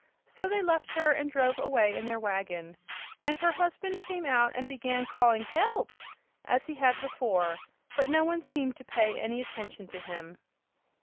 So they left her and drove away in their wagon. And her husband came out and began calling "Help!" as he had before; but no one seemed to pay any attention to him.